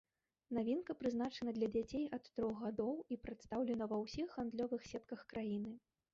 Навінка прызначана для дзяцей ад трох гадоў і прадстаўлена ва ўсіх гандлёвых сетках краіны.